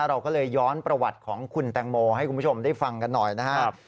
เราก็เลยย้อนประวัติของคุณแตงโมให้คุณผู้ชมได้ฟังกันหน่อยนะครับ